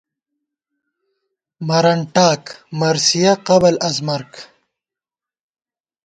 مرنٹاک(مرثیہ قبل از مرگ)